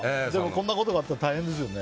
こんなことがあったら大変ですよね。